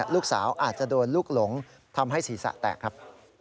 ลูกสาวอาจจะโดนลูกหลงทำให้ศีรษะแตกครับ